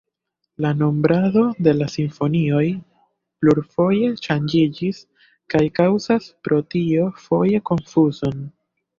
La nombrado de la simfonioj plurfoje ŝanĝiĝis kaj kaŭzas pro tio foje konfuzon.